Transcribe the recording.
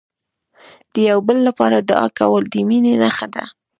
د یو بل لپاره دعا کول، د مینې نښه ده.